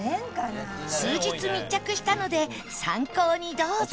数日密着したので参考にどうぞ